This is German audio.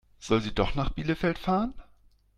Soll sie doch nach Bielefeld fahren?